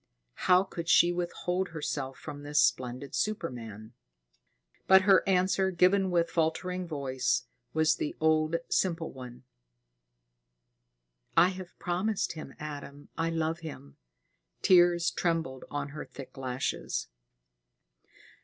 How could she withhold herself from this splendid superman? But her answer, given with faltering voice, was the old, simple one: "I have promised him, Adam. I love him." Tears trembled on her thick lashes.